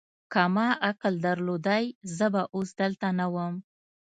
که ما عقل درلودای، زه به اوس دلته نه ووم.